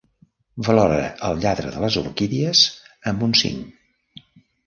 Valora el lladre d'orquídies amb un cinc